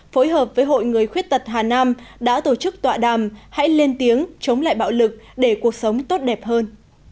phối hợp với hội người khuyết tật hà nam đã tổ chức tọa đàm hãy lên tiếng chống lại bạo lực để cuộc sống tốt đẹp hơn